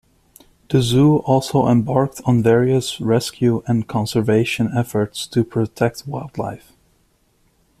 The zoo also embarked on various rescue and conservation efforts to protect wildlife.